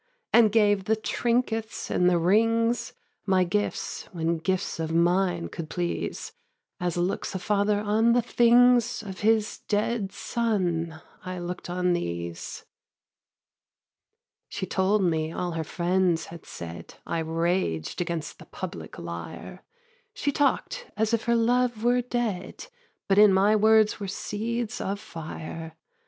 And gave the trinkets and the rings, My gifts, when gifts of mine could please; As looks a father on the things Of his dead son, I look'd on these. 4. She told me all her friends had said; I raged against the public liar; She talk'd as if her love were dead, But in my words were seeds of fire.